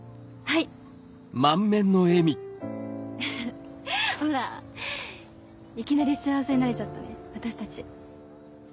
いきなり幸せになれちゃったね私たち。